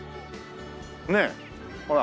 ねえほら。